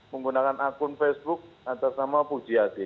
menggunakan akun facebook atas nama puji hati